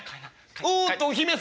「おっとお姫様